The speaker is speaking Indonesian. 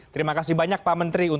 terima kasih banyak pak sandiaga uno